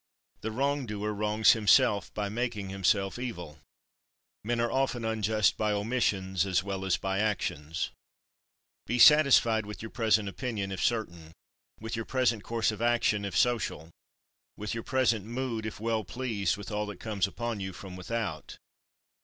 The wrong doer wrongs himself by making himself evil. 5. Men are often unjust by omissions as well as by actions. 6. Be satisfied with your present opinion, if certain; with your present course of action, if social; with your present mood, if well pleased with all that comes upon you from without.